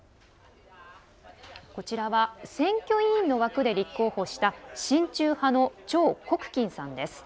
こちらは選挙委員の枠で立候補した親中派の張国鈞さんです。